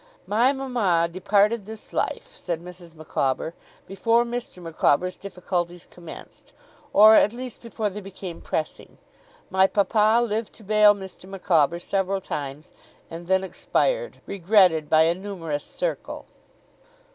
'My mama departed this life,' said Mrs. Micawber, 'before Mr. Micawber's difficulties commenced, or at least before they became pressing. My papa lived to bail Mr. Micawber several times, and then expired, regretted by a numerous circle.